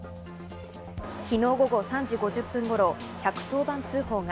昨日午後３時５０分頃、１１０番通報が。